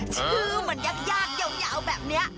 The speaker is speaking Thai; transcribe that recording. ชื่อมันยากยาวแบบนี้